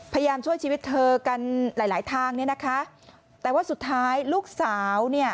พยายามช่วยชีวิตเธอกันหลายทางแต่ว่าสุดท้ายลูกสาว